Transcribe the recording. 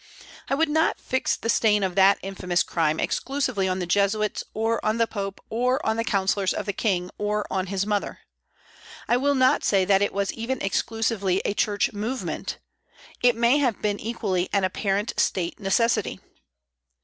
I would not fix the stain of that infamous crime exclusively on the Jesuits, or on the Pope, or on the councillors of the King, or on his mother. I will not say that it was even exclusively a Church movement: it may have been equally an apparent State necessity.